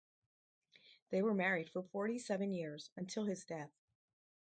They were married for forty-seven years, until his death.